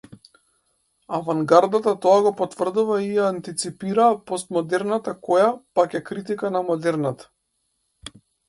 Авангардата тоа го потврдува и ја антиципира постмодерната која, пак, е критика на модерната.